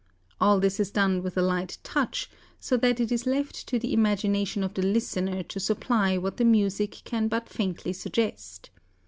All this is done with a light touch, so that it is left to the imagination of the listener to supply what the music can but faintly suggest.